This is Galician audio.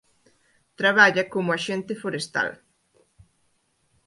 Traballa como axente forestal.